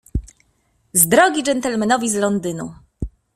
"Z drogi gentlemanowi z Londynu!"